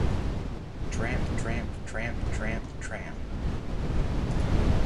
Tramp, tramp, tramp, tramp.